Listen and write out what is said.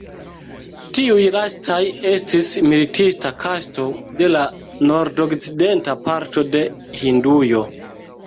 Tiuj lastaj estis militista kasto de la nordokcidenta parto de Hindujo.